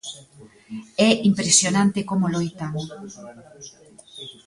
É impresionante como loitan.